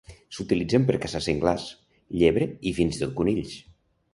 S'utilitzen per caçar senglars, llebre i fins i tot conills.